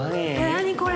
何これ？